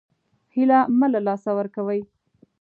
هیله مه له لاسه ورکوئ